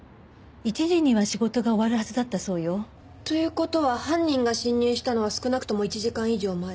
１時には仕事が終わるはずだったそうよ。という事は犯人が侵入したのは少なくとも１時間以上前。